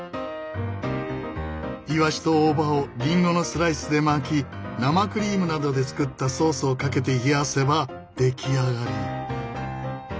イワシと大葉をリンゴのスライスで巻き生クリームなどで作ったソースをかけて冷やせば出来上がり。